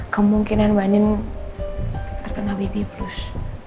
kemungkinan mbak andin terkena bb plus